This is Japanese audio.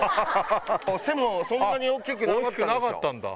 背もそんなにおっきくなかったんですよ